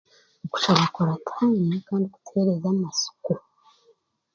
Okushaba kuratuha ebirikuba birikutuheereza amatsiko